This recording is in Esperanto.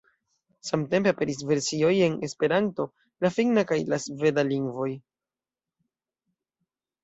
Samtempe aperis versioj en Esperanto, la finna kaj la sveda lingvoj.